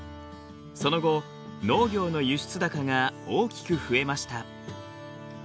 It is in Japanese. その後農業の輸出高が大きく増えました。